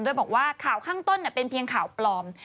โดยบอกว่าข่าวข้างต้นเป็นเพียงข่าวปลอม